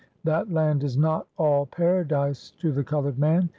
That land is not all Paradise to the colored man.